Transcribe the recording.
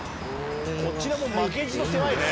こちらも負けじと狭いね。